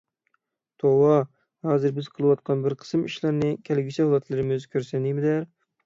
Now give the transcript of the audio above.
توۋا، ھازىر بىز قىلىۋاتقان بىر قىسىم ئىشلارنى كەلگۈسى ئەۋلادلىرىمىز كۆرسە نېمە دەر؟